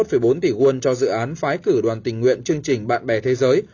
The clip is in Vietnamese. sáu mươi một bốn tỷ quân cho dự án phái cử đoàn tình nguyện chương trình bạn bè thế giới